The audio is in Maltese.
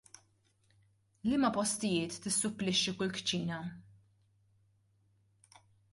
Liema postijiet tissupplixxi kull kċina?